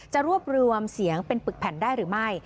จะรวบรวมเสียงเป็นปึกแผ่นได้หรือไม่